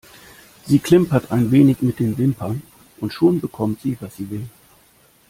Sie klimpert ein wenig mit den Wimpern und schon bekommt sie, was sie will.